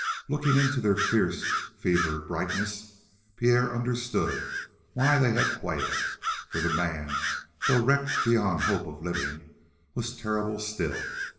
Looking into their fierce fever brightness, Pierre understood why they had quailed. For the man, though wrecked beyond hope of living, was terrible still.